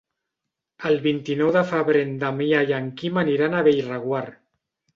El vint-i-nou de febrer en Damià i en Quim aniran a Bellreguard.